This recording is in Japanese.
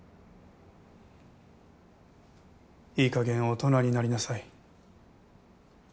いい加減大人になりなさい